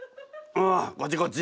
こっちこっち。